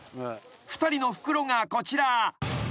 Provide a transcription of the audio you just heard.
［２人の袋がこちら］